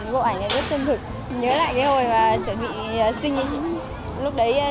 bộ ảnh rất chân thực nhớ lại cái hồi mà chuẩn bị